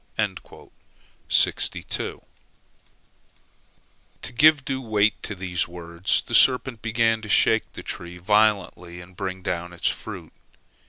" To give due weight to these words, the serpent began to shake the tree violently and bring down its fruit.